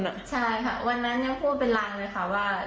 ใช่ค่ะวันนั้นยังพูดเป็นไลน์ว่า